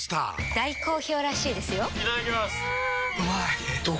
大好評らしいですよんうまい！